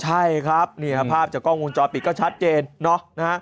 ใช่ครับนี่ครับภาพจากกล้องวงจรปิดก็ชัดเจนเนอะนะฮะ